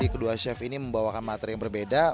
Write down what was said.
kedua chef ini membawakan materi yang berbeda